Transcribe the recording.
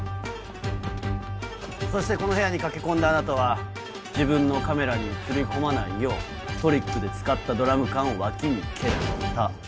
そしてこの部屋に駆け込んだあなたは自分のカメラに映り込まないようトリックで使ったドラム缶を脇に蹴った。